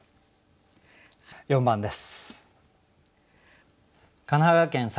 ４番です。